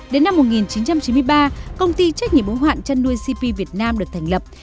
đến năm một nghìn chín trăm chín mươi ba công ty trách nhiệm ủng hoạn chăn nuôi cp việt nam được thành lập